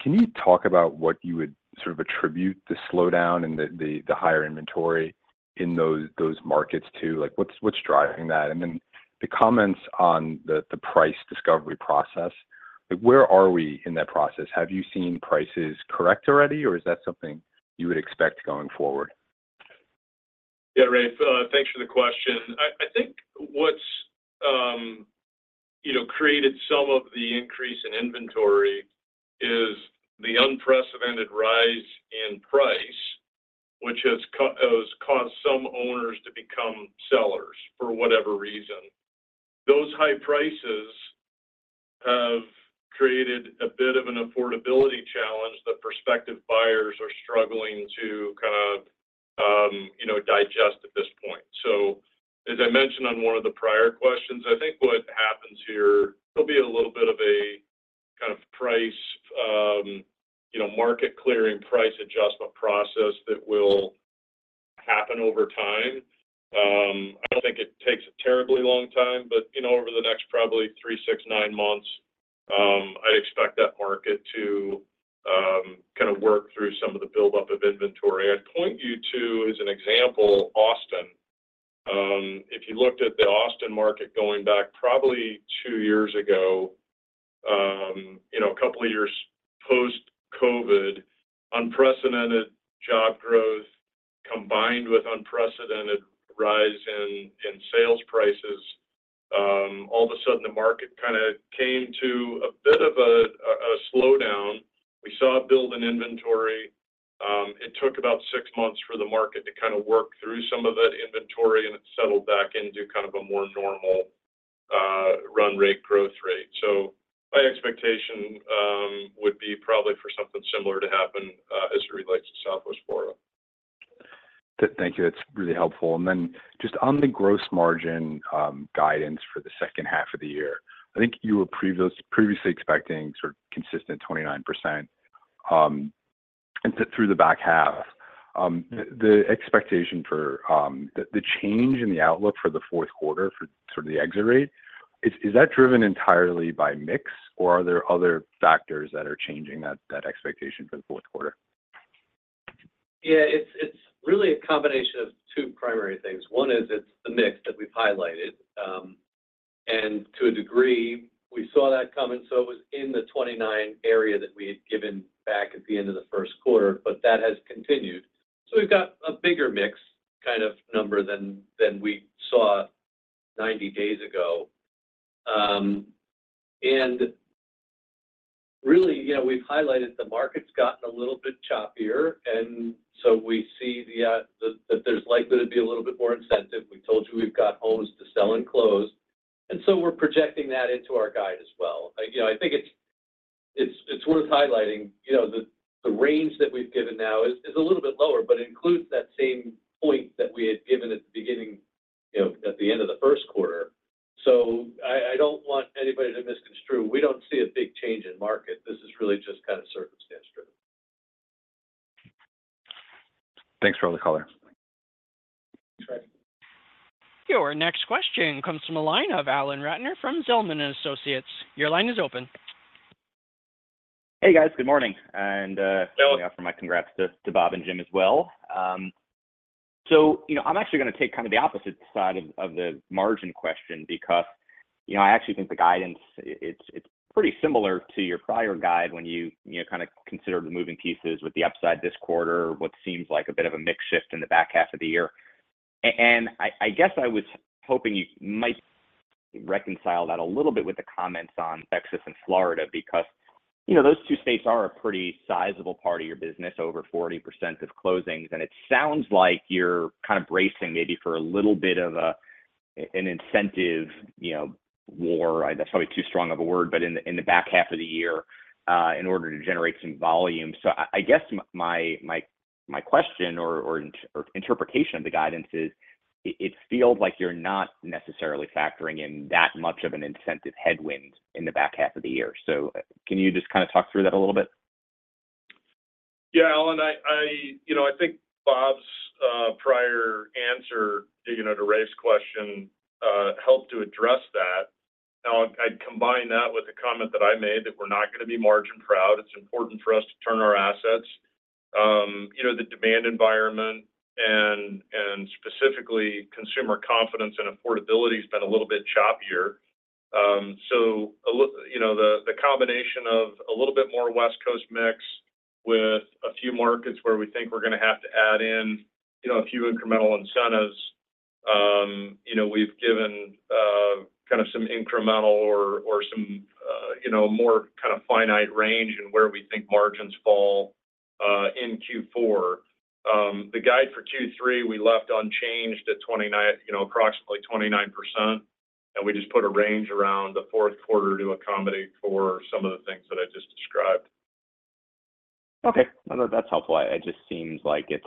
Can you talk about what you would sort of attribute the slowdown and the higher inventory in those markets to? What's driving that? And then the comments on the price discovery process, where are we in that process? Have you seen prices correct already, or is that something you would expect going forward? Yeah, Rafe, thanks for the question. I think what's created some of the increase in inventory is the unprecedented rise in price, which has caused some owners to become sellers for whatever reason. Those high prices have created a bit of an affordability challenge that prospective buyers are struggling to kind of digest at this point. So as I mentioned on one of the prior questions, I think what happens here, there'll be a little bit of a kind of market-clearing price adjustment process that will happen over time. I don't think it takes a terribly long time, but over the next probably 3, 6, 9 months, I'd expect that market to kind of work through some of the buildup of inventory. I'd point you to, as an example, Austin. If you looked at the Austin market going back probably 2 years ago, a couple of years post-COVID, unprecedented job growth combined with unprecedented rise in sales prices, all of a sudden the market kind of came to a bit of a slowdown. We saw a build in inventory. It took about 6 months for the market to kind of work through some of that inventory, and it settled back into kind of a more normal run rate, growth rate. So my expectation would be probably for something similar to happen as it relates to Southwest Florida. Thank you. That's really helpful. And then just on the gross margin guidance for the second half of the year, I think you were previously expecting sort of consistent 29% through the back half. The expectation for the change in the outlook for the Q4 for sort of the exit rate, is that driven entirely by mix, or are there other factors that are changing that expectation for the Q4? Yeah, it's really a combination of two primary things. One is it's the mix that we've highlighted. And to a degree, we saw that coming. So it was in the 29% area that we had given back at the end of the Q1, but that has continued. So we've got a bigger mix kind of number than we saw 90 days ago. And really, we've highlighted the market's gotten a little bit choppier, and so we see that there's likely to be a little bit more incentive. We've told you we've got homes to sell and close. And so we're projecting that into our guide as well. I think it's worth highlighting the range that we've given now is a little bit lower, but it includes that same point that we had given at the beginning at the end of the Q1. So I don't want anybody to misconstrue. We don't see a big change in market. This is really just kind of circumstance-driven. Thanks for the color. Your next question comes from the line of Alan Ratner from Zelman & Associates. Your line is open. Hey, guys. Good morning. And from me congrats to Bob and Jim as well. So I'm actually going to take kind of the opposite side of the margin question because I actually think the guidance, it's pretty similar to your prior guide when you kind of considered the moving pieces with the upside this quarter, what seems like a bit of a mix shift in the back half of the year. And I guess I was hoping you might reconcile that a little bit with the comments on Texas and Florida because those two states are a pretty sizable part of your business, over 40% of closings. And it sounds like you're kind of bracing maybe for a little bit of an incentive war. That's probably too strong of a word, but in the back half of the year in order to generate some volume. So I guess my question or interpretation of the guidance is it feels like you're not necessarily factoring in that much of an incentive headwind in the back half of the year. So can you just kind of talk through that a little bit? Yeah, Alan, I think Bob's prior answer to Rafe's question helped to address that. Now, I'd combine that with a comment that I made that we're not going to be margin proud. It's important for us to turn our assets. The demand environment and specifically consumer confidence and affordability has been a little bit choppier. So the combination of a little bit more West Coast mix with a few markets where we think we're going to have to add in a few incremental incentives, we've given kind of some incremental or some more kind of finite range in where we think margins fall in Q4. The guide for Q3 we left unchanged at approximately 29%, and we just put a range around the Q4 to accommodate for some of the things that I just described. Okay. That's helpful. It just seems like it's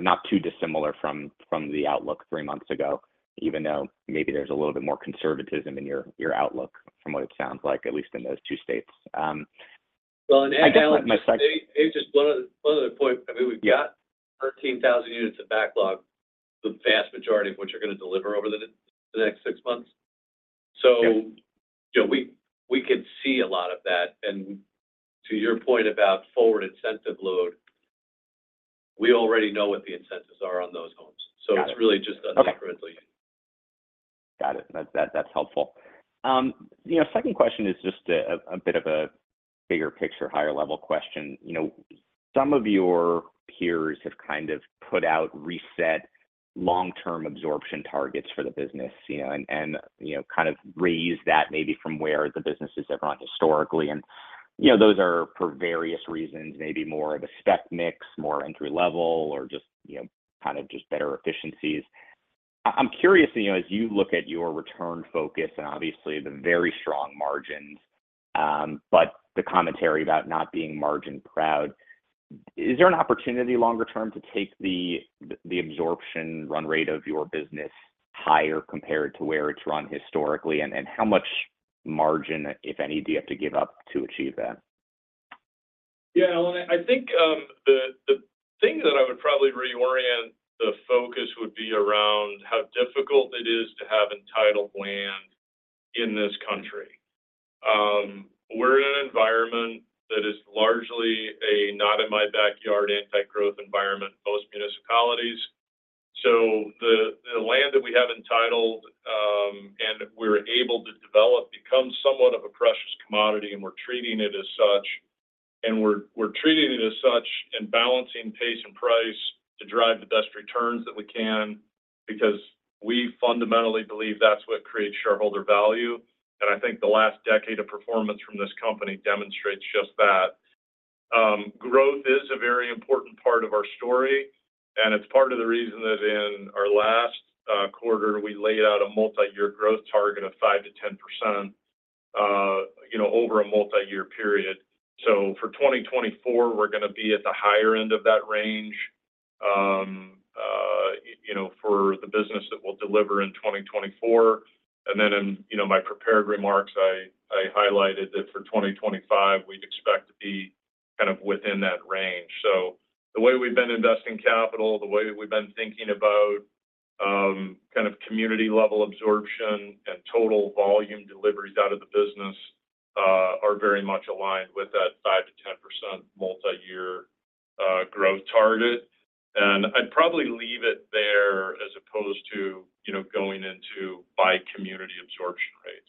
not too dissimilar from the outlook three months ago, even though maybe there's a little bit more conservatism in your outlook from what it sounds like, at least in those two states. Well, and I think my second. Dave, just one other point. I mean, we've got 13,000 units of backlog, the vast majority of which are going to deliver over the next six months. So we could see a lot of that. And to your point about forward incentive load, we already know what the incentives are on those homes. So it's really just a differential. Got it. That's helpful. Second question is just a bit of a bigger picture, higher-level question. Some of your peers have kind of put out reset long-term absorption targets for the business and kind of raised that maybe from where the business has ever run historically. And those are for various reasons, maybe more of a spec mix, more entry-level, or just kind of just better efficiencies. I'm curious, as you look at your return focus and obviously the very strong margins, but the commentary about not being margin proud, is there an opportunity longer term to take the absorption run rate of your business higher compared to where it's run historically? And how much margin, if any, do you have to give up to achieve that? Yeah, Alan, I think the thing that I would probably reorient the focus would be around how difficult it is to have entitled land in this country. We're in an environment that is largely a not-in-my-backyard anti-growth environment in most municipalities. So the land that we have entitled and we're able to develop becomes somewhat of a precious commodity, and we're treating it as such. And we're treating it as such and balancing pace and price to drive the best returns that we can because we fundamentally believe that's what creates shareholder value. And I think the last decade of performance from this company demonstrates just that. Growth is a very important part of our story, and it's part of the reason that in our last quarter, we laid out a multi-year growth target of 5%-10% over a multi-year period. So for 2024, we're going to be at the higher end of that range for the business that will deliver in 2024. And then in my prepared remarks, I highlighted that for 2025, we'd expect to be kind of within that range. So the way we've been investing capital, the way we've been thinking about kind of community-level absorption and total volume deliveries out of the business are very much aligned with that 5%-10% multi-year growth target. And I'd probably leave it there as opposed to going into by community absorption rates.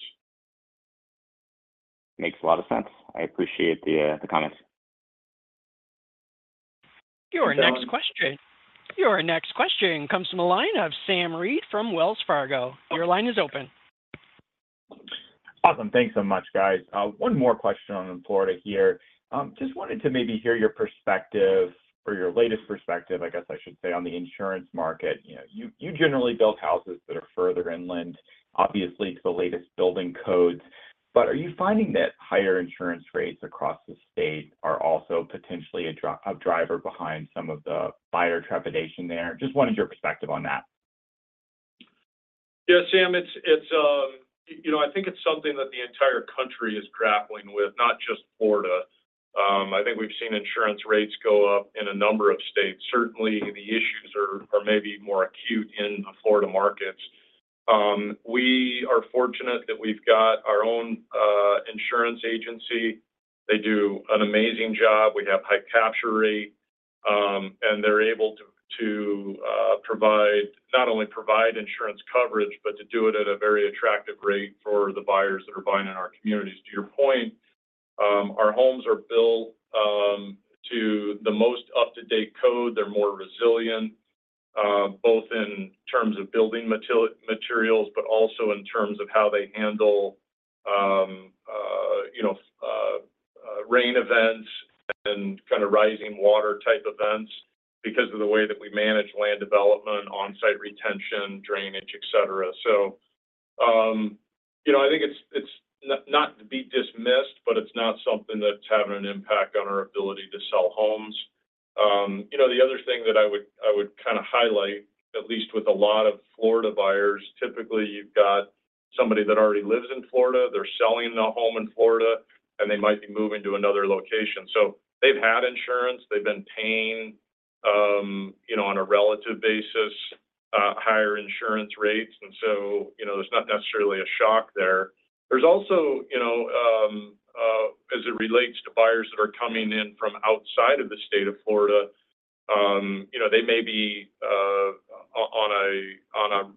Makes a lot of sense. I appreciate the comments. Your next question comes from the line of Sam Reid from Wells Fargo. Your line is open. Awesome. Thanks so much, guys. One more question on Florida here. Just wanted to maybe hear your perspective or your latest perspective, I guess I should say, on the insurance market. You generally build houses that are further inland, obviously to the latest building codes. But are you finding that higher insurance rates across the state are also potentially a driver behind some of the buyer trepidation there? Just wanted your perspective on that. Yeah, Sam, I think it's something that the entire country is grappling with, not just Florida. I think we've seen insurance rates go up in a number of states. Certainly, the issues are maybe more acute in the Florida markets. We are fortunate that we've got our own insurance agency. They do an amazing job. We have high capture rate, and they're able to provide not only insurance coverage, but to do it at a very attractive rate for the buyers that are buying in our communities. To your point, our homes are built to the most up-to-date code. They're more resilient, both in terms of building materials, but also in terms of how they handle rain events and kind of rising water type events because of the way that we manage land development, on-site retention, drainage, etc. So I think it's not to be dismissed, but it's not something that's having an impact on our ability to sell homes. The other thing that I would kind of highlight, at least with a lot of Florida buyers, typically you've got somebody that already lives in Florida. They're selling a home in Florida, and they might be moving to another location. So they've had insurance. They've been paying on a relative basis, higher insurance rates. And so there's not necessarily a shock there. There's also, as it relates to buyers that are coming in from outside of the state of Florida, they may be on a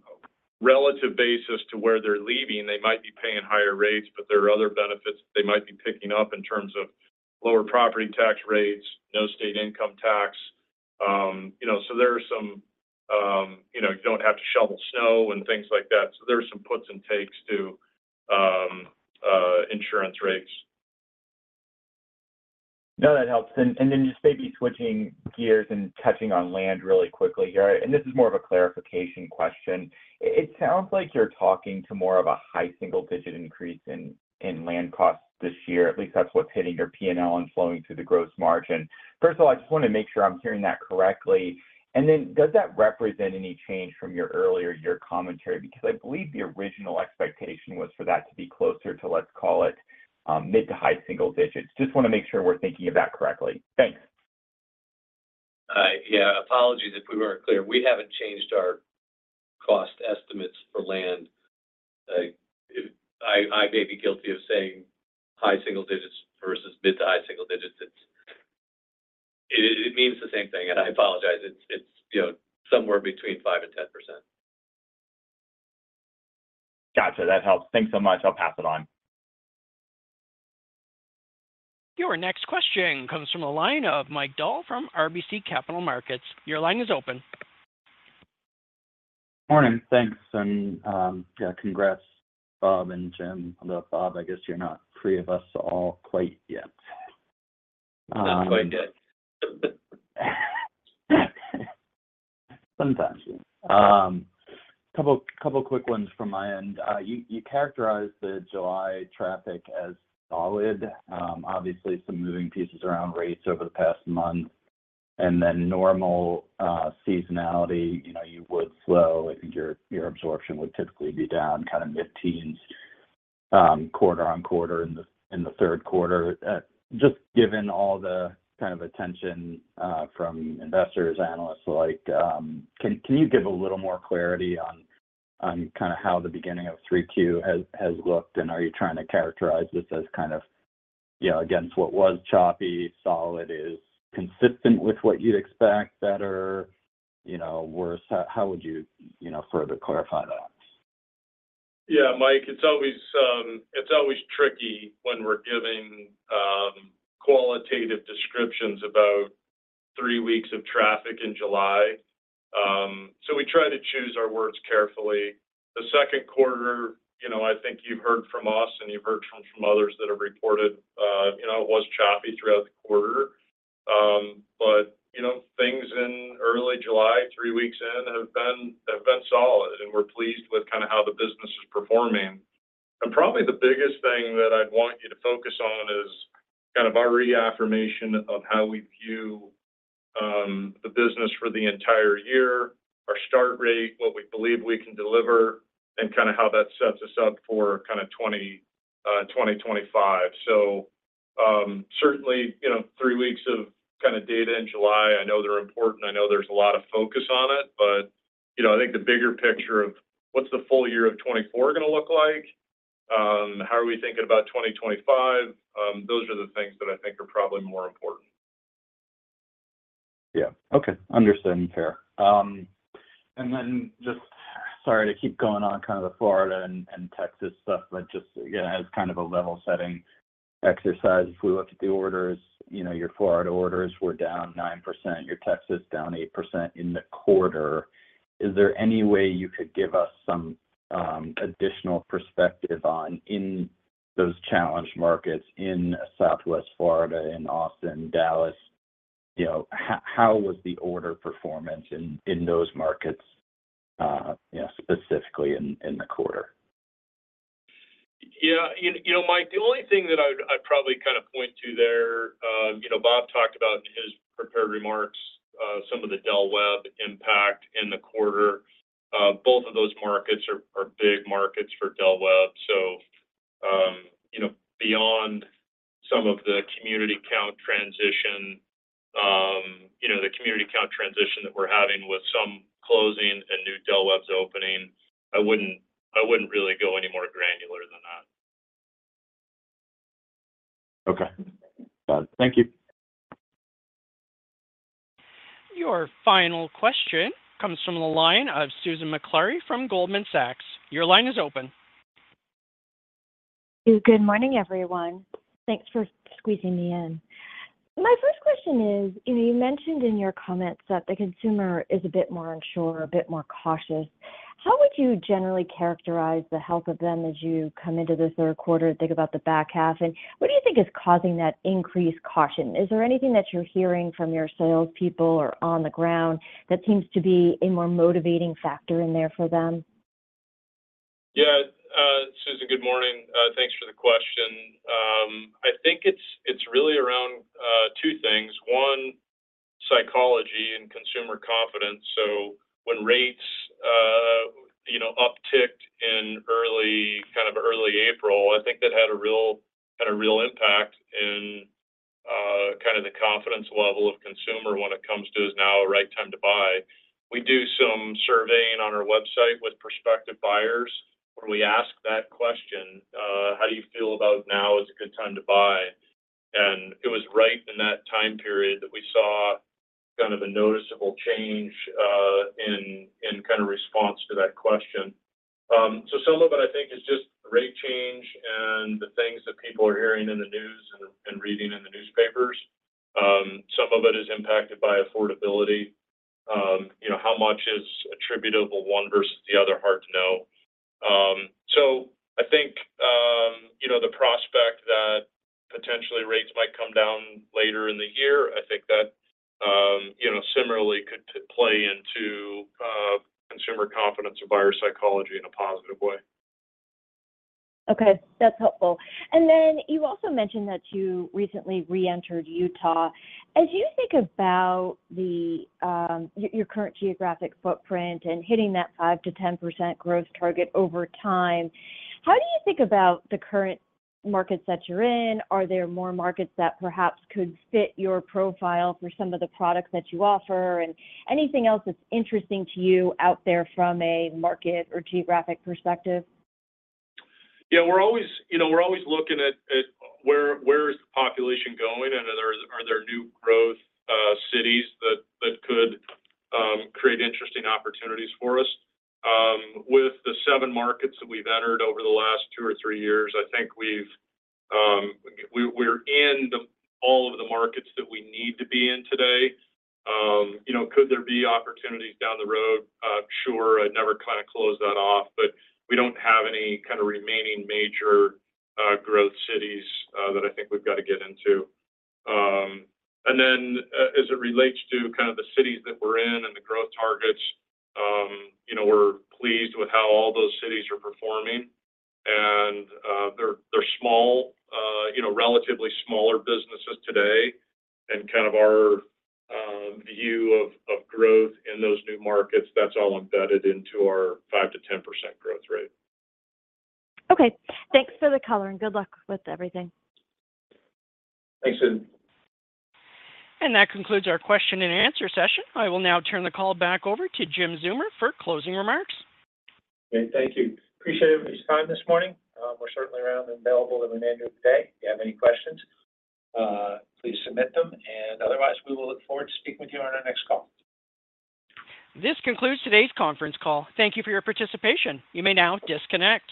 relative basis to where they're leaving. They might be paying higher rates, but there are other benefits they might be picking up in terms of lower property tax rates, no state income tax. So there are some you don't have to shovel snow and things like that. So there are some puts and takes to insurance rates. No, that helps. And then just maybe switching gears and touching on land really quickly here. And this is more of a clarification question. It sounds like you're talking to more of a high single-digit increase in land costs this year. At least that's what's hitting your P&L and flowing through the gross margin. First of all, I just want to make sure I'm hearing that correctly. Then does that represent any change from your earlier year commentary? Because I believe the original expectation was for that to be closer to, let's call it, mid to high single digits. Just want to make sure we're thinking of that correctly. Thanks. Yeah. Apologies if we weren't clear. We haven't changed our cost estimates for land. I may be guilty of saying high single digits versus mid to high single digits. It means the same thing. And I apologize. It's somewhere between 5% and 10%. Gotcha. That helps. Thanks so much. I'll pass it on. Your next question comes from the line of Mike Dahl from RBC Capital Markets. Your line is open. Morning. Thanks. And yeah, congrats, Bob and Jim. Although, Bob, I guess you're not free of us all quite yet. Not quite yet. Sometimes. A couple of quick ones from my end. You characterized the July traffic as solid. Obviously, some moving pieces around rates over the past month. And then normal seasonality, you would slow. I think your absorption would typically be down kind of mid-teens, quarter-over-quarter in the Q3. Just given all the kind of attention from investors, analysts, can you give a little more clarity on kind of how the beginning of 3Q has looked? And are you trying to characterize this as kind of against what was choppy, solid, is consistent with what you'd expect, better, worse? How would you further clarify that? Yeah, Mike, it's always tricky when we're giving qualitative descriptions about three weeks of traffic in July. So we try to choose our words carefully. The Q2, I think you've heard from us and you've heard from others that have reported it was choppy throughout the quarter. But things in early July, three weeks in, have been solid, and we're pleased with kind of how the business is performing. And probably the biggest thing that I'd want you to focus on is kind of our reaffirmation of how we view the business for the entire year, our start rate, what we believe we can deliver, and kind of how that sets us up for kind of 2025. So certainly, three weeks of kind of data in July, I know they're important. I know there's a lot of focus on it, but I think the bigger picture of what's the full year of 2024 going to look like? How are we thinking about 2025? Those are the things that I think are probably more important. Yeah. Okay. Understood and fair. And then just sorry to keep going on kind of the Florida and Texas stuff, but just, again, as kind of a level-setting exercise, if we look at the orders, your Florida orders were down 9%, your Texas down 8% in the quarter. Is there any way you could give us some additional perspective on in those challenge markets in Southwest Florida, in Austin, Dallas? How was the order performance in those markets specifically in the quarter? Yeah. Mike, the only thing that I'd probably kind of point to there, Bob talked about in his prepared remarks, some of the Del Webb impact in the quarter. Both of those markets are big markets for Del Webb. So beyond some of the community count transition, the community count transition that we're having with some closing and new Del Webbs opening, I wouldn't really go any more granular than that. Okay. Got it. Thank you. Your final question comes from the line of Susan Maklari from Goldman Sachs. Your line is open. Good morning, everyone. Thanks for squeezing me in. My first question is, you mentioned in your comments that the consumer is a bit more unsure, a bit more cautious. How would you generally characterize the health of them as you come into the Q3 and think about the back half? And what do you think is causing that increased caution? Is there anything that you're hearing from your salespeople or on the ground that seems to be a more motivating factor in there for them? Yeah. Susan, good morning. Thanks for the question. I think it's really around two things. One, psychology and consumer confidence. So when rates upticked in early kind of early April, I think that had a real impact in kind of the confidence level of consumer when it comes to is now the right time to buy. We do some surveying on our website with prospective buyers where we ask that question, "How do you feel about now as a good time to buy?" And it was right in that time period that we saw kind of a noticeable change in kind of response to that question. So some of it, I think, is just rate change and the things that people are hearing in the news and reading in the newspapers. Some of it is impacted by affordability. How much is attributable one versus the other? Hard to know. So I think the prospect that potentially rates might come down later in the year, I think that similarly could play into consumer confidence or buyer psychology in a positive way. Okay. That's helpful. And then you also mentioned that you recently re-entered Utah. As you think about your current geographic footprint and hitting that 5%-10% growth target over time, how do you think about the current markets that you're in? Are there more markets that perhaps could fit your profile for some of the products that you offer and anything else that's interesting to you out there from a market or geographic perspective? Yeah. We're always looking at where is the population going? And are there new growth cities that could create interesting opportunities for us? With the 7 markets that we've entered over the last 2 or 3 years, I think we're in all of the markets that we need to be in today. Could there be opportunities down the road? Sure. I'd never kind of close that off, but we don't have any kind of remaining major growth cities that I think we've got to get into. And then as it relates to kind of the cities that we're in and the growth targets, we're pleased with how all those cities are performing. And they're small, relatively smaller businesses today. And kind of our view of growth in those new markets, that's all embedded into our 5%-10% growth rate. Okay. Thanks for the color and good luck with everything. Thanks, Susan. And that concludes our question and answer session. I will now turn the call back over to Jim Zeumer for closing remarks. Great. Thank you. Appreciate everybody's time this morning. We're certainly around and available in the remainder of the day. If you have any questions, please submit them. And otherwise, we will look forward to speaking with you on our next call. This concludes today's conference call. Thank you for your participation. You may now disconnect.